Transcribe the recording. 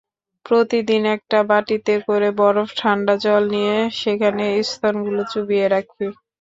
প্রতিদিন একটা বাটিতে করে বরফ ঠান্ডা জল নিয়ে সেখানে স্তনগুলো চুবিয়ে রাখি।